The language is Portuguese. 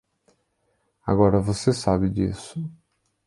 Agora você sabe disso.